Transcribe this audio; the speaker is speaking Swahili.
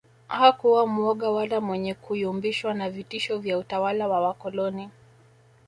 Hakuwa muoga wala mwenye kuyumbishwa na vitisho vya utawala wa wakoloni